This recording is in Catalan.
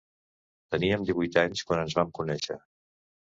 Teníem divuit anys quan ens vam conéixer.